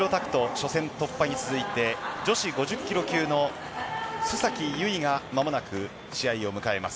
初戦突破に続いて女子５０ｋｇ級の須崎優衣がまもなく試合を迎えます。